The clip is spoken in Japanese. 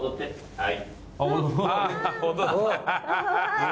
はい。